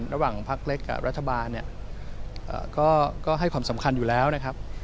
ระหว่างพักเล็กกับรัฐบาลเนี่ยก็ให้ความสำคัญอยู่แล้วนะครับ